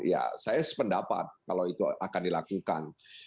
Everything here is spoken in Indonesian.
ya saya sependapat kalau itu akan dilakukan